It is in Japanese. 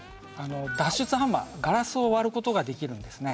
脱出ハンマーガラスを割ることができるんですね。